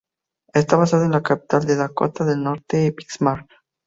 Está basada en la Capital de Dakota del Norte, Bismarck.